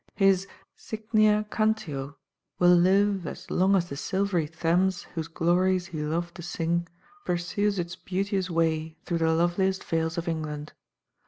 His Cygnea Cantio will live as long as the silvery Thames, whose glories he loved to sing, pursues its beauteous way through the loveliest vales of England.